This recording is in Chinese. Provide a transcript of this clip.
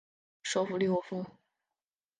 首府利沃夫。